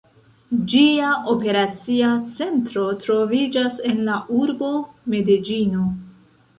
Ĝia operacia centro troviĝas en la urbo Medeĝino.